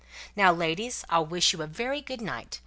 And now, ladies, I'll wish you a very good night.